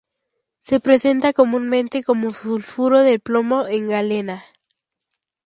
Se presenta comúnmente como sulfuro de plomo en la galena.